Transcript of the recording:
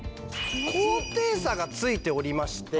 高低差がついておりまして。